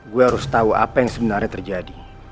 gue harus tahu apa yang sebenarnya terjadi